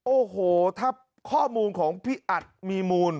โอ้โหถ้าข้อมูลของพี่อัดมีมูล